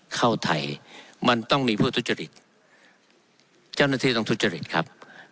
เข้าไทยมันต้องมีผู้ทุจริตเจ้าหน้าที่ต้องทุจริตครับ